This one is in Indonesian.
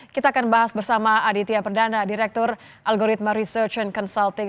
kita akan bahas bersama aditya perdana direktur algoritma research and consulting